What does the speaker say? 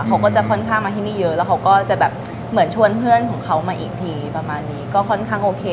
เขาก็จะค่อนข้างมาที่นี่เยอะแล้วเขาก็จะแบบเหมือนชวนเพื่อนของเขามาอีกทีประมาณนี้ก็ค่อนข้างโอเค